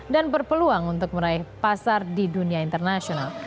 dan berpeluang untuk meraih pasar di dunia internasional